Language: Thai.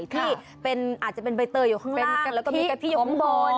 ที่เป็นอาจจะเป็นใบเตอร์อยู่ข้างล่างแล้วก็มีกะทิหอม